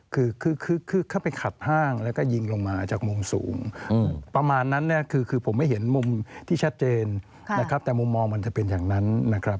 คือคือเขาไปขัดห้างแล้วก็ยิงลงมาจากมุมสูงประมาณนั้นเนี่ยคือผมไม่เห็นมุมที่ชัดเจนนะครับแต่มุมมองมันจะเป็นอย่างนั้นนะครับ